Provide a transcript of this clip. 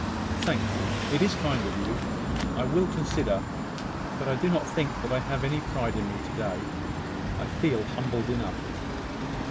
"Thank you. It is kind of you. I will consider; but I do not think that I have any pride in me to day. I feel humbled enough."